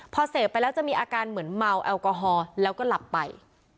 พอเสพไปแล้วจะมีอาการเหมือนเมาแอลกอฮอลแล้วก็หลับไป